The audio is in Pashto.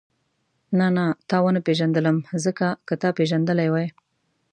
نه نه تا ونه پېژندلم ځکه که تا پېژندلې وای.